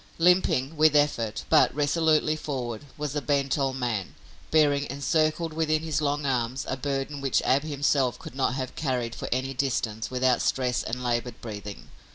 Limping, with effort, but resolutely forward, was a bent old man, bearing encircled within his long arms a burden which Ab himself could not have carried for any distance without stress and labored breathing.